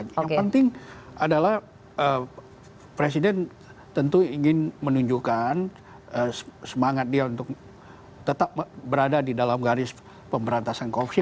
yang penting adalah presiden tentu ingin menunjukkan semangat dia untuk tetap berada di dalam garis pemberantasan korupsi